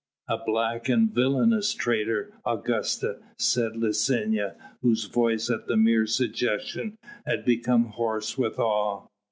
"A black and villainous traitor, Augusta," said Licinia, whose voice at the mere suggestion had become hoarse with awe.